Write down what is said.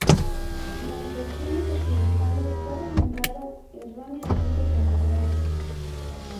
En las versiones occidentales fue renombrado erróneamente como Gradius.